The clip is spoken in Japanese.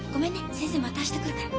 先生また明日来るから。